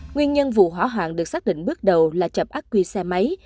nguyên nhân vụ hỏa hoạn được xác định bước đầu là chập ác quy xe máy